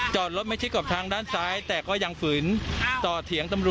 จอดรถไม่จิดกว่าทางด้านซ้ายแต่ยังฝรต่อเถียง